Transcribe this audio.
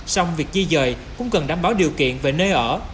xong việc di dời cũng cần đảm bảo điều kiện về nơi ở